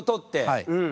はい。